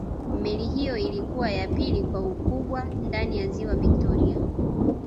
meli hiyo ilikuwa ya pili kwa ukubwa ndani ya ziwa victoria